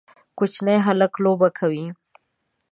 کوچني هلکان لوبه کوي